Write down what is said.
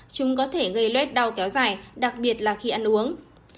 chúng có thể gây loét đau kéo dài đặc biệt là khi ăn uống